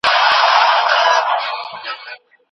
سهار وختي پاڅېدل عادت کړه